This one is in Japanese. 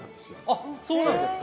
あっそうなんですか。